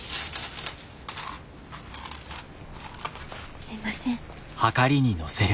すいません。